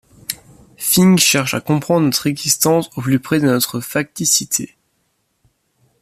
Fink cherche à comprendre notre existence au plus près de notre facticité.